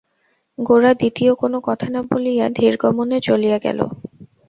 গোরা দ্বিতীয় কোনো কথা না বলিয়া ধীরগমনে চলিয়া গেল।